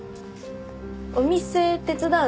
お店手伝う？